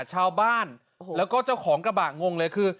ชาวบ้านแล้วก็เจ้าของกระบะงงเลยคือ